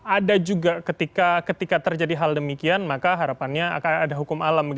ada juga ketika terjadi hal demikian maka harapannya akan ada hukum alam